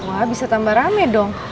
wah bisa tambah rame dong